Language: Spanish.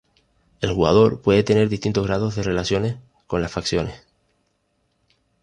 El jugador puede tener distintos grados de relaciones con las facciones.